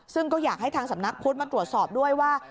ซึ่งก็อยากให้ทางสำนักพุทธมาตรวจสอบด้วยว่า